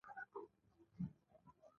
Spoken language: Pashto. د موټر چلولو پر مهال موبایل مه کاروئ.